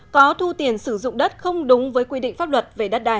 có thu tiền sử dụng đất không đúng với quy định pháp luật về đất đai